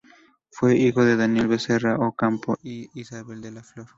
Fue hijo de Daniel Becerra Ocampo y de Isabel de la Flor.